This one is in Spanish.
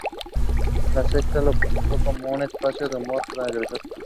La Sexta lo presentó como "un espacio de humor transgresor".